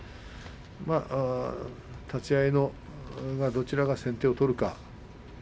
立ち合いをどちらが先手を取るか。